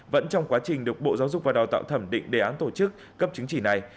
vẫn trong quá trình được bộ giáo dục và đào tạo thẩm định đề án tổ chức cấp chứng chỉ này